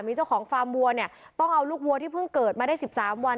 มีเจ้าของฟาร์มวัวเนี่ยต้องเอาลูกวัวที่เพิ่งเกิดมาได้๑๓วัน